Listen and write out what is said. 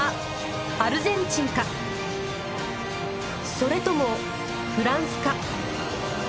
それともフランスか？